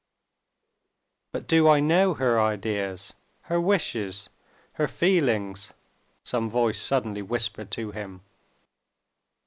"But do I know her ideas, her wishes, her feelings?" some voice suddenly whispered to him.